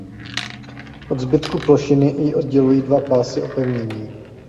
Od zbytku plošiny ji oddělují dva pásy opevnění.